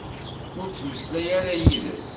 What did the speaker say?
Ur ttmeslayeɣ ara yid-s.